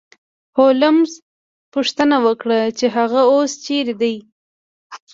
هولمز پوښتنه وکړه چې هغه اوس چیرته دی